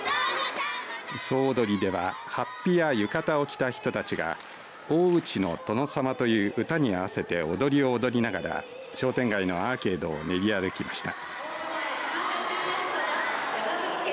総踊りでは、はっぴや浴衣を着た人たちが大内の殿様という唄に合わせて踊りを踊りながら商店街のアーケードを練り歩きました。